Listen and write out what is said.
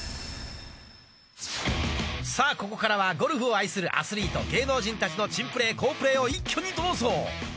さあここからはゴルフを愛するアスリート芸能人たちの珍プレー好プレーを一挙にどうぞ。